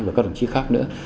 và các đồng chí khác nữa